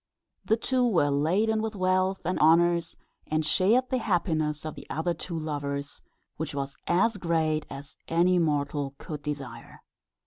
The two were laden with wealth and honours, and shared the happiness of the other two lovers, which was as great as any mortal could desire.